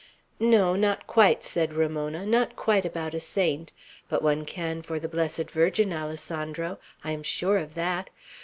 "No, not quite," said Ramona; "not quite, about a saint; but one can for the Blessed Virgin, Alessandro! I am sure of that.